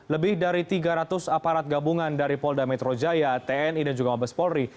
lebih dari tiga ratus aparat gabungan dari polda metro jaya tni dan juga mabes polri